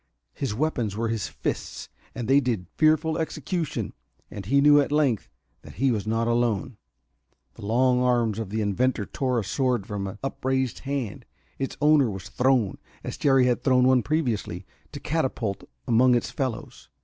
His weapons were his fists, and they did fearful execution. And he knew, at length, that he was not alone. The long arms of the inventor tore a sword from an upraised hand. Its owner was thrown, as Jerry had thrown one previously, to catapult among its fellows.